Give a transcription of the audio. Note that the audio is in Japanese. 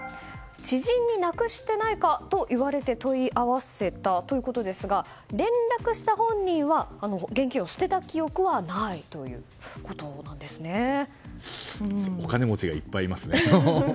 知人に無くしてないか？と言われて問い合わせたということですが連絡した本人は現金を捨てたお金持ちがいっぱいいますね。